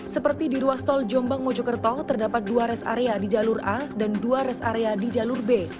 seperti di ruas tol jombang mojokerto terdapat dua rest area di jalur a dan dua rest area di jalur b